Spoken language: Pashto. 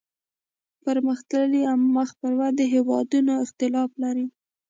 پرمختللي او مخ پر ودې هیوادونه اختلاف لري